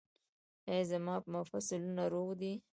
ایا زما مفصلونه روغ دي؟